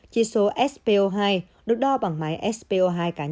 chỉ số spo hai được đo bằng máy spo hai cá nhân